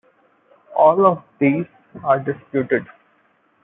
All of these are disputed.